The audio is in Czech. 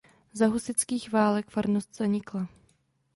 Za husitských válek farnost zanikla.